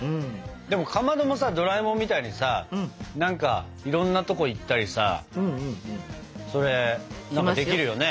でもかまどもさドラえもんみたいにさ何かいろんなとこ行ったりさそれできるよね。